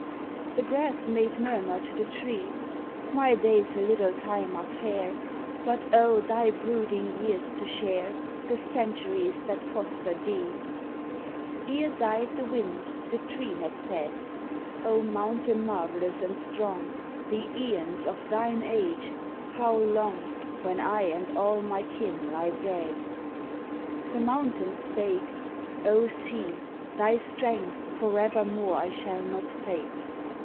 The grass made murmur to the tree: "My days a little time are fair; But oh! thy brooding years to share — The centuries that foster thee!" 25 "THE EVJNESCEN'T Ere died the wind the tree had said: "O mountain marvellous and strong, The aeons of thine age — how long, When I and all my kin lie dead I" The mountain spake: "O sea! thy strength Forevermore I shall not face.